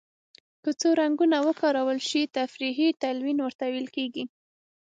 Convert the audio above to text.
که څو رنګونه وکارول شي تفریقي تلوین ورته ویل کیږي.